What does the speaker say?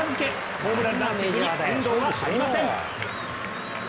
ホームランダービーに変更はありません。